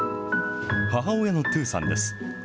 母親のトゥーさんです。